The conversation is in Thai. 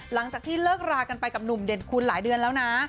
หลังจากที่เลิกรากันไปกับหนุ่มเด่นคุณหลายเดือนแล้วนะ